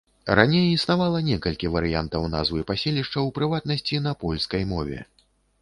Раней існавала некалькі варыянтаў назвы паселішча, у прыватнасці, на польскай мове.